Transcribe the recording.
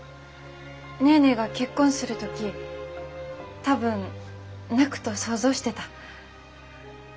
ネーネーが結婚する時多分泣くと想像してた。